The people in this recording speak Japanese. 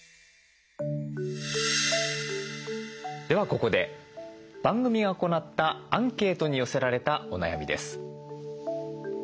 ではここで番組が行ったアンケートに寄せられたお悩みです。